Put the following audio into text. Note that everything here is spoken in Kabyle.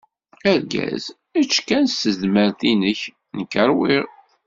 Argaz: Ečč kan s tezmert-inek, nekk ṛwiγ.